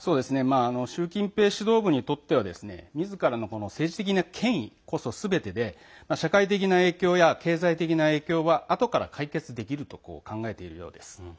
習近平指導部にとってはみずからの政治的な権威こそすべてで社会的な影響や経済的な影響はあとから解決できると考えているようです。